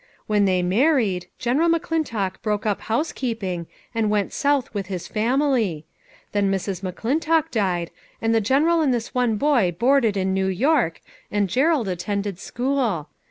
When they married, jGreneral McClintock broke up housekeeping, and went South with his family. Then Mrs. McClintock died, and the General and this one boy boarded in New York, and Gerald attended school.